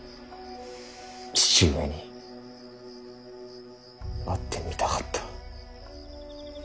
父上に会ってみたかった。